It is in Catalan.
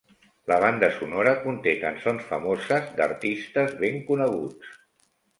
La banda sonora conté cançons famoses d'artistes ben coneguts.